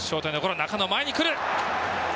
中野、前に来る。